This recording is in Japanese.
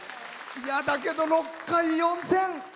だけど、６回、予選。